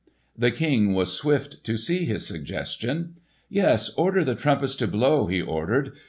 The King was swift to see his suggestion. "Yes, order the trumpets to blow!" he ordered.